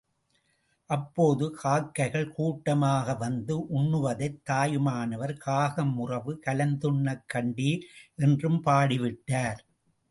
அப்போது காக்கைகள் கூட்டமாக வந்து உண்ணுவதைத் தாயுமானவர், காகம் உறவு கலந்துண்ணக் கண்டீர் என்றும் பாடிவிட்டார்.